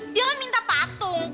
dia kan minta patung